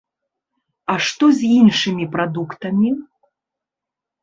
А што з іншымі прадуктамі?